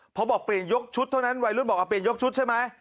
พอบอกเปลี่ยนยกชุดเท่านั้นวัยรุ่นบอกเอาเปลี่ยนยกชุดใช่ไหม